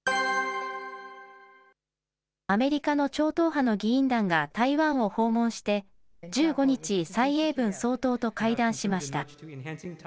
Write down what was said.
アメリカの超党派の議員団が台湾を訪問して、１５日、蔡英文総統と会談しました。